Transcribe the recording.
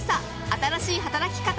新しい働き方。